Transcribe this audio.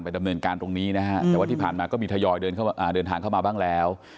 ดำเนินการตรงนี้นะฮะแต่ว่าที่ผ่านมาก็มีทยอยเดินทางเข้ามาบ้างแล้ว